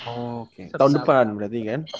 oke tahun depan berarti kan